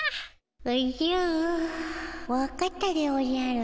おじゃわかったでおじゃる。